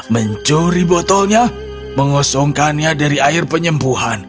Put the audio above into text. mencuri botolnya mengosongkannya dari air penyembuhan